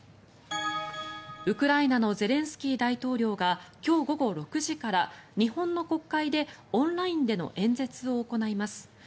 ウクライナのゼレンスキー大統領が今日午後６時から日本の国会でオンラインでの演説を行います。